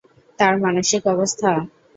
তার মানসিক অবস্থা?